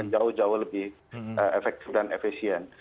jauh jauh lebih efektif dan efisien